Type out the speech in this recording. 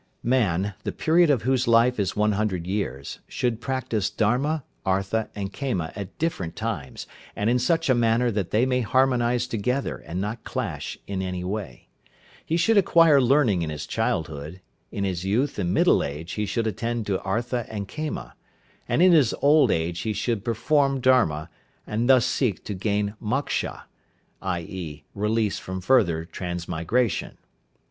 Man, the period of whose life is one hundred years, should practise Dharma, Artha, and Kama at different times and in such a manner that they may harmonize together and not clash in any way. He should acquire learning in his childhood, in his youth and middle age he should attend to Artha and Kama, and in his old age he should perform Dharma, and thus seek to gain Moksha, i.e., release from further transmigration.